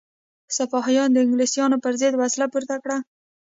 سپاهیانو د انګلیسانو پر ضد وسله پورته کړه.